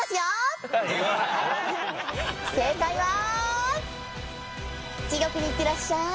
正解は地獄に行ってらっしゃい。